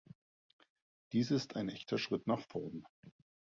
Dies ist ein echter Schritt nach vorn.